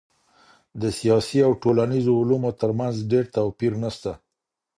د سیاسي او ټولنیزو علومو ترمنځ ډېر توپیر نسته.